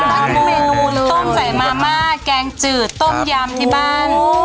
ต้องใส่มาม่าแกงจืดต้มยำที่บ้าน